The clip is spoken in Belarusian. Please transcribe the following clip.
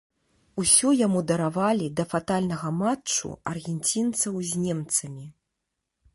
Усё яму даравалі да фатальнага матчу аргенцінцаў з немцамі.